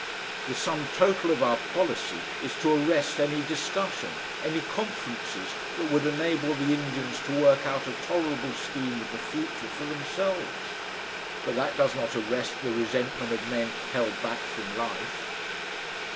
The sum total of our policy is to arrest any discussion, any conferences that would enable the Indians to work out a tolerable scheme of the future for themselves. But that does not arrest the resentment of men held back from life.